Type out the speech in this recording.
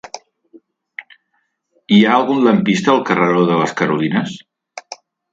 Hi ha algun lampista al carreró de les Carolines?